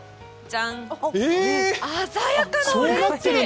鮮やかなオレンジ！